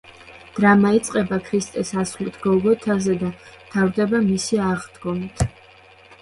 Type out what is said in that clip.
დრამა იწყება ქრისტეს ასვლით გოლგოთაზე და მთავრდება მისი აღდგომით.